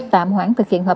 tạm hoãn thực hiện hợp pháp